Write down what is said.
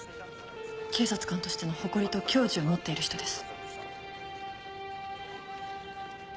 警察官としての誇りと矜持を持っている人です。